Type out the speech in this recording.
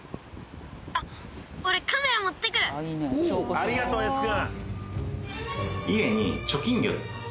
あっありがとうＳ君。